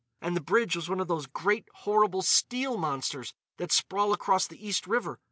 And the bridge was one of those great, horrible steel monsters that sprawl across the East River.